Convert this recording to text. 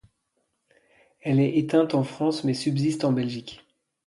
Elle est éteinte en France mais subsistante en Belgique.